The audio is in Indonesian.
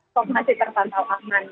stok masih tertentu aman